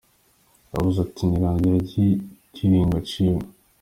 Yavuze ati: "Ni irangira ry'ikiringo ciwe.